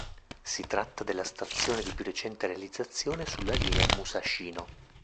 Si tratta della stazione di più recente realizzazione sulla linea Musashino.